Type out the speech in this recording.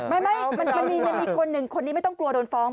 มันมีคนหนึ่งคนนี้ไม่ต้องกลัวโดนฟ้อง